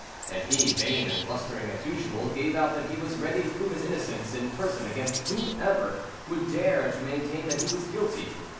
And he, vain and blustering as usual, gave out that he was ready to prove his innocence in person against whomsoever would dare to maintain that he was guilty.